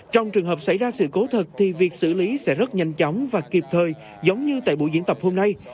trong trường hợp xảy ra sự cố thật thì việc xử lý sẽ rất nhanh chóng và kịp thời giống như tại buổi diễn tập hôm nay